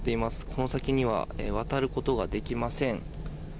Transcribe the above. この先には渡ることができません。